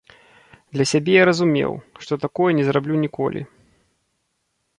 Для сябе я разумеў, што такое не зраблю ніколі.